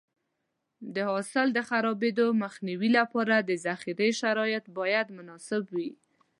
د حاصل د خرابېدو مخنیوي لپاره د ذخیرې شرایط باید مناسب وي.